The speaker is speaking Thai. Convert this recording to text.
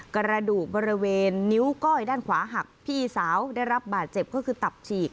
กระดูกบริเวณนิ้วก้อยด้านขวาหักพี่สาวได้รับบาดเจ็บก็คือตับฉีก